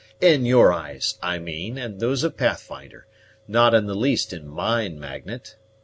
"In your eyes, I mean, and those of Pathfinder; not in the least in mine, Magnet.